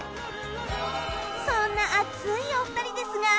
そんな熱いお二人ですが